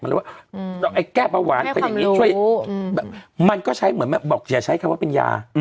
ไอ้แก้ปะหวานมันก็ใช้เหมือนแม่บอกอย่าใช้เขาว่าเป็นยา